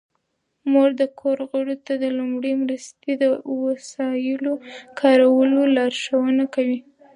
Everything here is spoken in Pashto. مور د کورنۍ غړو ته د لومړنۍ مرستې د وسایلو کارولو لارښوونه کوي.